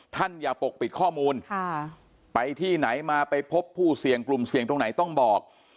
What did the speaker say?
ท่านอย่าปกปิดข้อมูลไปที่ไหนมาไปพบผู้เสี่ยงกลุ่มเสี่ยงตรงไหนต้องบอก